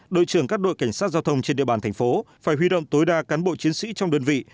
đội trưởng các đội cảnh sát giao thông trên địa bàn thành phố phải huy động tối đa cán bộ chiến sĩ trong đơn vị